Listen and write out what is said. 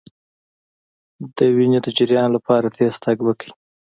د وینې د جریان لپاره تېز تګ وکړئ